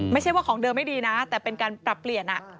ไม่ใช่ว่าของเดิมไม่ดีนะแต่เป็นการปรับเปลี่ยน